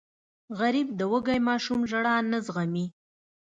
غریب د وږې ماشوم ژړا نه زغمي